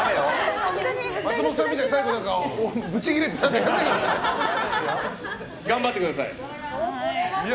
松本さんみたいに最後に頑張ってください。